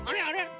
あれ？